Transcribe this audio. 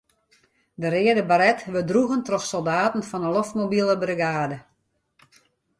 De reade baret wurdt droegen troch soldaten fan 'e loftmobile brigade.